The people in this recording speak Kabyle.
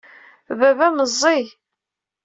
Baba meẓẓiy.